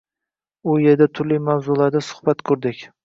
U yerda turli mavzularda suhbat qurdik.